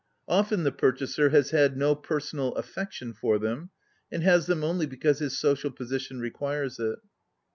Often the purchaser has had no personal affection for them, and has them only because his social posi tion requires it.